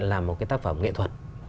là một cái tác phẩm nghệ thuật